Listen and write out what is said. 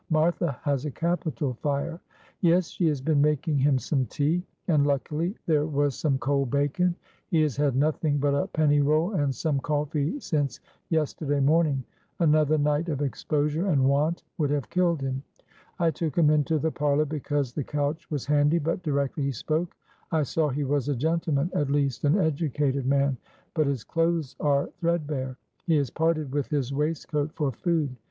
Martha has a capital fire." "Yes, she has been making him some tea, and luckily there was some cold bacon. He has had nothing but a penny roll and some coffee since yesterday morning. Another night of exposure and want would have killed him. I took him into the parlour because the couch was handy, but directly he spoke I saw he was a gentleman at least an educated man, but his clothes are threadbare. He has parted with his waistcoat for food.